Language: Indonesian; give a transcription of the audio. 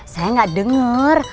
saya gak denger